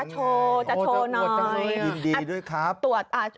โชว์จะโชว์หน่อยยินดีด้วยครับ